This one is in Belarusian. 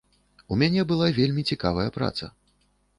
У мяне была вельмі цікавая праца.